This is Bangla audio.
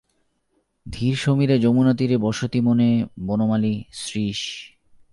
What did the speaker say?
ধীরসমীরে যমুনাতীরে বসতি বনে বনমালী– শ্রীশ।